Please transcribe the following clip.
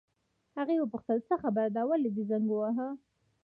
هغې وپوښتل: څه خبره ده، ولې دې زنګ وواهه؟